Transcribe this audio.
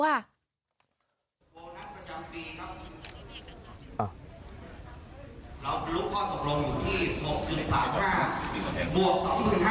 โบนัสประจำปีครับ